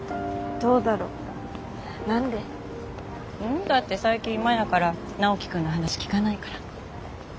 ん？だって最近マヤからナオキ君の話聞かないから。